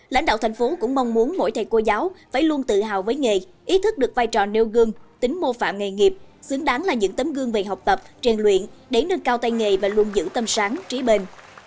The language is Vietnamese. lãnh đạo thành phố cũng mong muốn mỗi thầy cô giáo phải luôn tự hào với nghề ý thức được vai trò nêu gương tính mô phạm nghề nghiệp xứng đáng là những tấm gương về học tập trang luyện để nâng cao tay nghề và luôn giữ tâm sáng trí bền